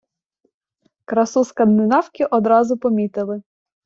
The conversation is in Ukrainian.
Красу скандинавки одразу помітили.